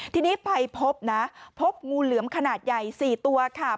ทีนี้ไปพบนะพบงูเหลือมขนาดใหญ่๔ตัวค่ะ